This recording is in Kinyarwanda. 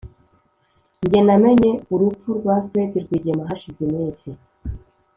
jye namenye urupfu rwa fred rwigema hashize iminsi